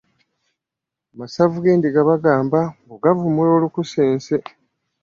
Amasavu g'endiga bagamba mbu gavumula olukusense.